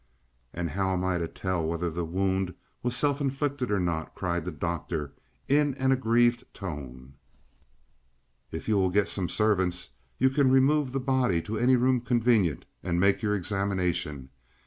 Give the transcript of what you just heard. "And how am I to tell whether the wound was self inflicted, or not?" cried the doctor in an aggrieved tone. "If you will get some of the servants, you can remove the body to any room convenient and make your examination.